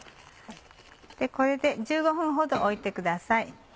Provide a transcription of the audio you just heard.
これで１５分ほど置いてください。